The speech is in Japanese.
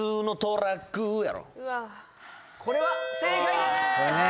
これは正解です！